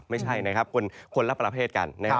ไม่ใช่นะครับคนละประเภทกันนะครับ